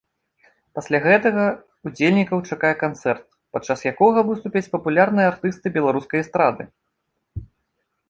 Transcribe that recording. Пасля гэтага ўдзельнікаў чакае канцэрт, падчас якога выступяць папулярныя артысты беларускай эстрады.